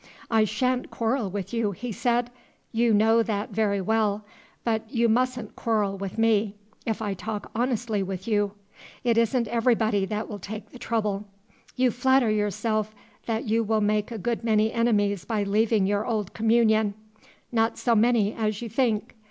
"I sha'n't quarrel with you," he said, "you know that very well; but you mustn't quarrel with me, if I talk honestly with you; it isn't everybody that will take the trouble. You flatter yourself that you will make a good many enemies by leaving your old communion. Not so many as you think.